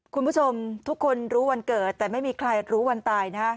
คุณผู้ชมทุกคนรู้วันเกิดแต่ไม่มีใครรู้วันตายนะฮะ